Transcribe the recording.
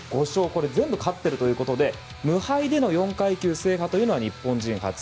これ、全部勝っているということで無敗での４階級制覇は日本人初。